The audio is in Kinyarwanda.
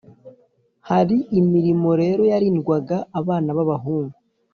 Hari imirimo rero yarindwaga abana b’abahungu